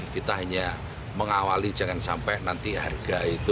kita hanya mengawali jangan sampai nanti harga itu